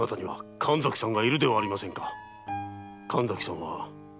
神崎さんも。